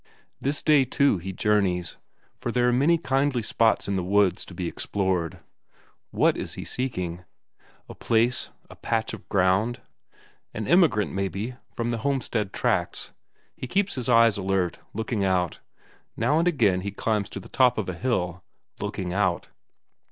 This day too he journeys, for there are many kindly spots in the woods to be explored. What is he seeking? A place, a patch of ground? An emigrant, maybe, from the homestead tracts; he keeps his eyes alert, looking out; now and again he climbs to the top of a hill, looking out.